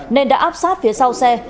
nên đã áp sát phía sau xe